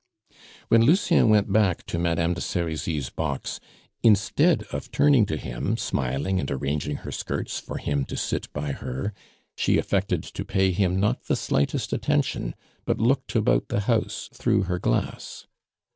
When Lucien went back to Madame de Serizy's box, instead of turning to him, smiling and arranging her skirts for him to sit by her, she affected to pay him not the slightest attention, but looked about the house through her glass.